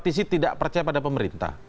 tc tidak percaya pada pemerintah